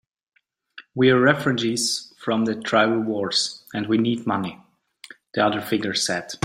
"We're refugees from the tribal wars, and we need money," the other figure said.